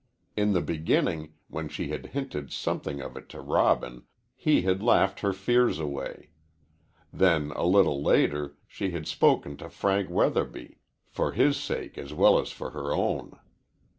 In the beginning, when she had hinted something of it to Robin, he had laughed her fears away. Then, a little later, she had spoken to Frank Weatherby, for his sake as well as for her own.